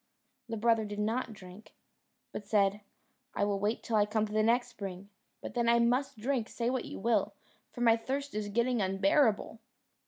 The brother did not drink, but said, "I will wait till I come to the next spring, but then I must drink, say what you will, for my thirst is getting unbearable."